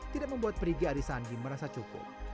tidak membuat prigi arisandi merasa cukup